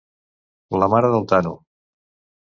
La mare del Tano!